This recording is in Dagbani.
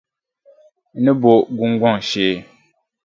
N ni bo gungɔŋ shee.